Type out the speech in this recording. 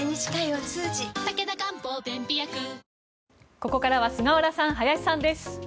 ここからは菅原さん、林さんです。